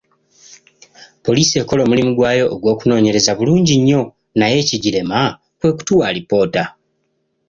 Poliisi ekola omulimu gwayo ogw'okunoonyereza bulungi nnyo, naye ekigirema kwe kutuwa alipoota.